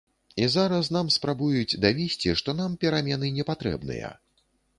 І зараз нам спрабуюць давесці, што нам перамены не патрэбныя.